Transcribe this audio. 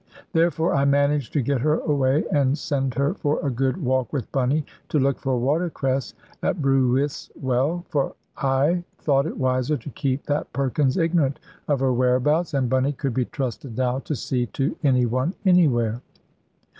Therefore I managed to get her away, and send her for a good walk with Bunny, to look for water cress at Bruwys Well; for I thought it wiser to keep that Perkins ignorant of her whereabouts; and Bunny could be trusted now to see to any one anywhere.